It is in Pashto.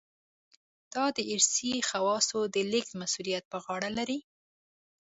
دا د ارثي خواصو د لېږد مسوولیت په غاړه لري.